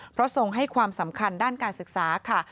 เพราะทรงให้ความสำคัญด้านการศึกษาค่ะ